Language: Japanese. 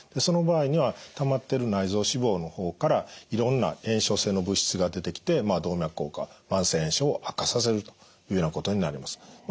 その場合にはたまってる内臓脂肪の方からいろんな炎症性の物質が出てきてまあ動脈硬化慢性炎症を悪化させるというようなことになります。